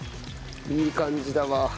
いい感じだわ。